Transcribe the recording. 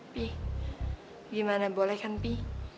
be gimana boleh kan be